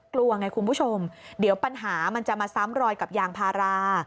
กลัวไงคุณผู้ชมเดี๋ยวปัญหามันจะมาซ้ำรอยกับยางพารา